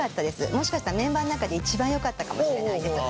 もしかしたらメンバーの中で一番よかったかもしれないです。